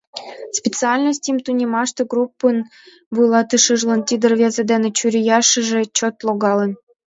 Специальностьым тунеммаште группын вуйлатышыжлан тиде рвезе дене чурияшыже чот логалын.